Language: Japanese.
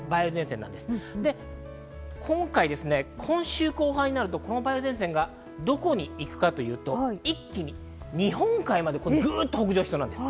今回、今週後半になると、この梅雨前線がどこに行くかというと、一気に日本海までグッと北上しそうなんです。